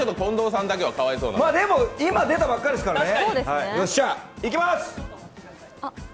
でも今、出たばっかりですからね。